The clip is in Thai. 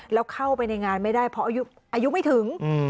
แล้วเข้าไปในงานไม่ได้เพราะอายุไม่ถึง